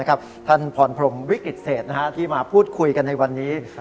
นะครับท่านผ่อนโพรมวิกฤตเสธที่มาพูดคุยกันในวันนี้